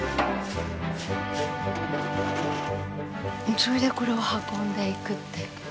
それでこれを運んでいくって。